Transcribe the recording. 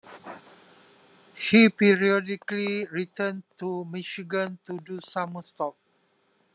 He periodically returned to Michigan to do summer stock.